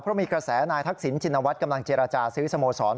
เพราะมีกระแสนายทักษิณชินวัฒน์กำลังเจรจาซื้อสโมสร